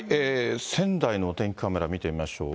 仙台のお天気カメラ見てみましょう。